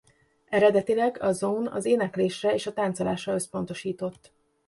Eredetileg a Zone az éneklésre és a táncolásra összpontosított.